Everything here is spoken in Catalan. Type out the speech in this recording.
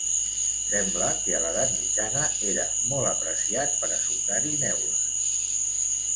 Sembla que a l'edat mitjana era molt apreciat per a sucar-hi neules.